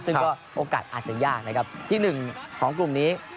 ซึ่งก็โอกาสอาจจะยากนะครับที่หนึ่งของกลุ่มนี้